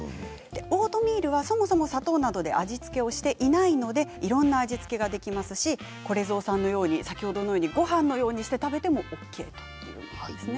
オートミールはそもそも砂糖などで味付けをしていないのでいろんな味付けができますしこれぞうさんのようにごはんのようにして食べてもＯＫということなんですね。